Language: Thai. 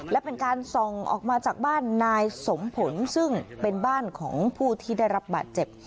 และเป็นการส่องออกมาจากบ้านนายสมผลซึ่งเป็นบ้านของผู้ที่ได้รับบาดเจ็บ